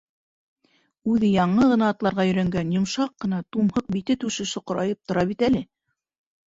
Үҙе яңы ғына атларға өйрәнгән, йомшаҡ ҡына, тумһыҡ бите-түше соҡорайып тора бит әле.